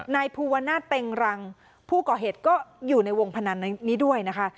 นายภูวนาศเต็งรังผู้ก่อเหตุก็อยู่ในวงพนันนี้ด้วยนะคะ